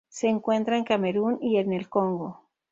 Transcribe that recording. Se encuentra en Camerún y en el Congo.